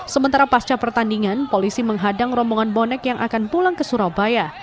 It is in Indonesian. sementara pasca pertandingan polisi menghadang rombongan bonek yang akan pulang ke surabaya